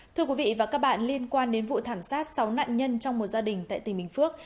thưa quý vị và các bạn liên quan đến vụ thảm sát sáu nạn nhân trong một gia đình tại tỉnh bình phước